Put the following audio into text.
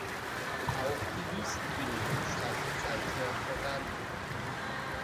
Auch die Wüstenbildung schreitet seither voran.